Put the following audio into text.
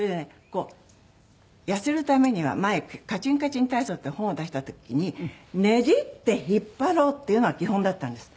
こう痩せるためには前『カチンカチン体操』っていう本を出した時にねじって引っ張ろうっていうのが基本だったんです。